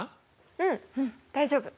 うん大丈夫。